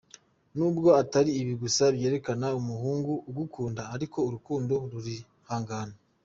Nubwo atari ibi gusa byerekana umuhungu ugukunda ariko urukundo rurihangana.